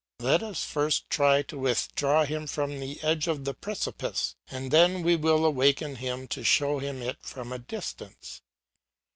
Let us first try to withdraw him from the edge of the precipice, and then we will awake him to show him it from a distance.